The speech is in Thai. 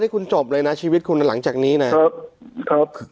คุณจบเลยนะชีวิตคุณหลังจากนี้นะครับ